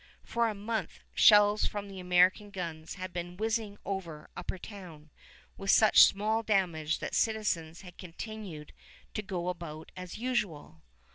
For a month, shells from the American guns had been whizzing over Upper Town, with such small damage that citizens had continued to go about as usual.